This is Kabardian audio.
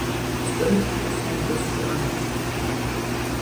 СкӀэрыкӀ, сэ мыбы сыщыӀэнущ!